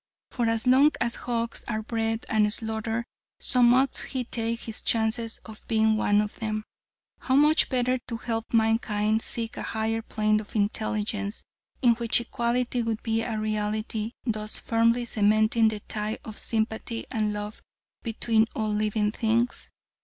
For as long as hogs are bred and slaughtered, so must he take his chances of being one of them. How much better to help mankind seek a higher plane of intelligence, in which equality would be a reality, thus firmly cementing the tie of sympathy and love between all living things.